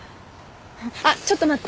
あっちょっと待って。